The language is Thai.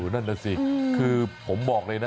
นั่นน่ะสิคือผมบอกเลยนะ